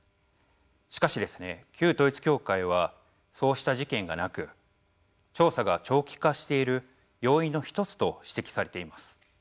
しかし旧統一教会はそうした事件がなく調査が長期化している要因の一つと指摘されています。